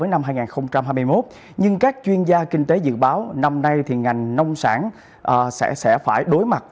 năm hai nghìn hai mươi một nhưng các chuyên gia kinh tế dự báo năm nay thì ngành nông sản sẽ phải đối mặt